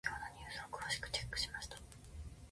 今日のニュースを詳しくチェックしました。